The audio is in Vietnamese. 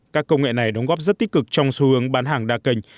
các công nghệ này đóng góp rất tích cực trong xu hướng bán hàng đa kênh